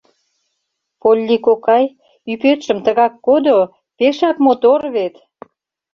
— Полли кокай, ӱпетшым тыгак кодо, пешак мотор вет!